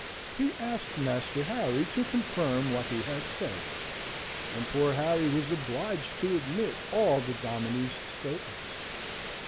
He asked Master Harry to confirm what he had said: and poor Harry was obliged to admit all the dominie's statements.